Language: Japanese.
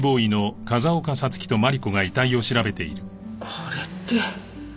これって。